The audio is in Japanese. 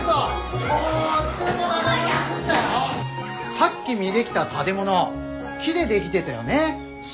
さっき見できた建物木で出来でだよね。